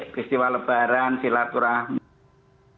ketika lebaran silaturahman